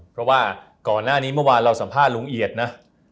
เพราะว่าก่อนหน้านี้เมื่อวานเราสัมภาษณ์ลุงเอียดนะ